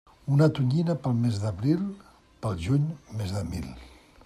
Una tonyina pel mes d'abril, pel juny més de mil.